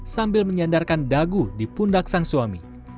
sambil menyandarkan dagu di pundak sang suami